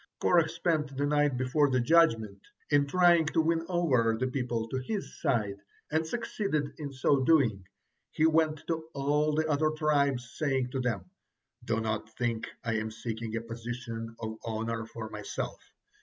Korah spent the night before the judgement in trying to win over the people to his side, and succeeded in so doing. He went to all the other tribes, saying to them: "Do not think I am seeking a position of honor for myself.